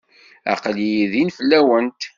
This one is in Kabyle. Aql-iyi din fell-awent.